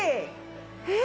えっ！？